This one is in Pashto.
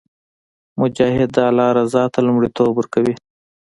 مجاهد د الله رضا ته لومړیتوب ورکوي.